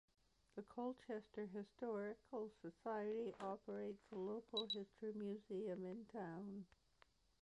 The Colchester Historical Society operates a local history museum in town.